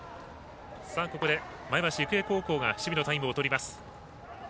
ここで、前橋育英高校が守備のタイムをとります。